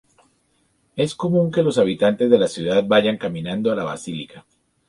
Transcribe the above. Es común que los habitantes de la ciudad vayan caminando a la basílica.